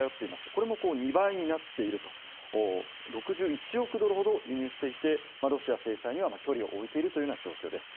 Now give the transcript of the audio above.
これも２倍になっていると６１億ドルほど輸入していてロシア制裁には距離を置いているというような状況です。